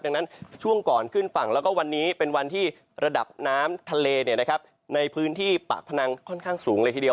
ดังนั้นช่วงก่อนขึ้นฝั่งแล้วก็วันนี้เป็นวันที่ระดับน้ำทะเลในพื้นที่ปากพนังค่อนข้างสูงเลยทีเดียว